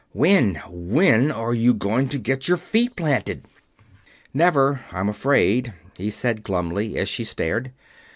When when are you going to get your feet planted?" "Never, I'm afraid," he said glumly, and she stared.